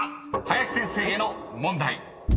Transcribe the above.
林先生への問題］